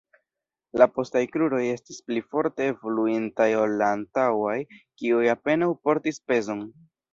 La postaj kruroj estis pli forte evoluintaj ol la antaŭaj, kiuj apenaŭ portis pezon.